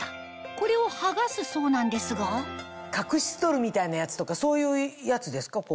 これを剥がすそうなんですが角質取るみたいなやつとかそういうやつですか？